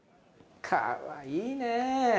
かわいいねー。